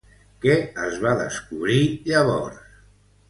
Què es va descobrir llavors?